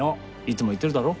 いつも言ってるだろ？